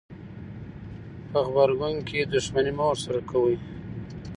په غبرګون کې دښمني مه ورسره کوئ.